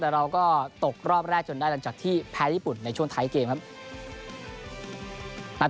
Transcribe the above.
แต่เราก็ตกรอบแรกจนได้หลังจากที่แพ้ญี่ปุ่นในช่วงท้ายเกมครับ